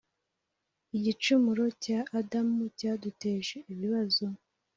igicumuro cya adamu cyaduteje ibibazo.